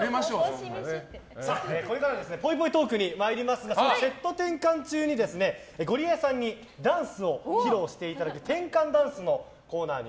これからぽいぽいトークに参りますがセット転換中にゴリエさんにダンスを披露していただく転換ダンスのコーナーに